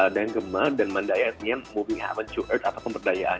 dan gema dan mandaya artinya moving heaven to earth atau pemberdayaan